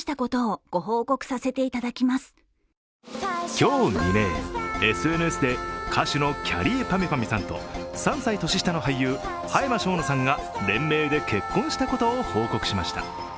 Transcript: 今日未明、ＳＮＳで歌手のきゃりーぱみゅぱみゅさんと３歳年下の俳優葉山奨之さんが連名で結婚したことを報告しました。